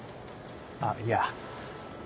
あっいや。